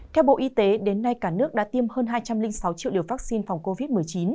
theo bộ y tế đến nay cả nước đã tiêm hơn hai trăm linh sáu triệu liều vaccine phòng covid một mươi chín